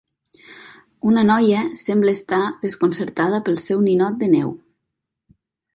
Una noia sembla estar desconcertada pel seu ninot de neu.